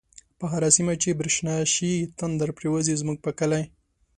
په هره سیمه چی برشنا شی، تندر پریوزی زمونږ په کلی